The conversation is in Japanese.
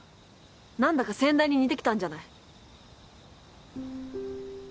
何だか先代に似てきたんじゃない？